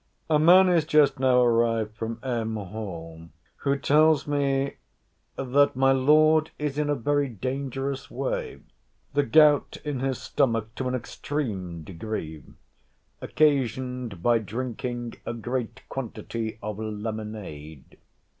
A man is just now arrived from M. Hall, who tells me, that my Lord is in a very dangerous way. The gout in his stomach to an extreme degree, occasioned by drinking a great quantity of lemonade.